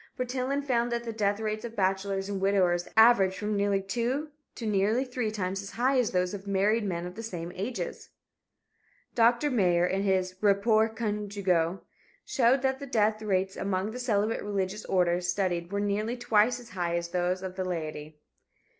Bertillon found that the death rates of bachelors and widowers averaged from nearly two to nearly three times as high as those of married men of the same ages. Dr. Mayer, in his Rapports Conjugaux, showed that the death rates among the celibate religious orders studied were nearly twice as high as those of the laity.